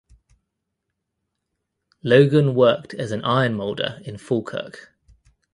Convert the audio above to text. Logan worked as an iron moulder in Falkirk.